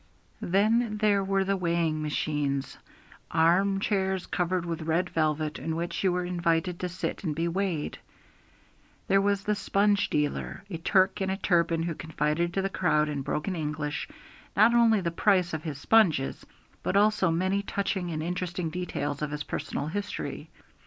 Then there were the weighing machines, arm chairs covered with red velvet, in which you were invited to sit and be weighed; there was the sponge dealer, a Turk in a turban, who confided to the crowd, in broken English, not only the price of his sponges, but also many touching and interesting details of his personal history.